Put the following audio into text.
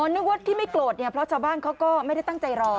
นึกว่าที่ไม่โกรธเนี่ยเพราะชาวบ้านเขาก็ไม่ได้ตั้งใจรอ